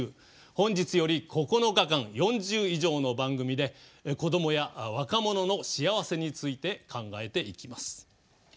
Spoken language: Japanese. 本日より９日間４０以上の番組で子どもたちや若者の幸せについて考えていきます。